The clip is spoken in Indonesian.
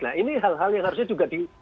nah ini hal hal yang harusnya juga di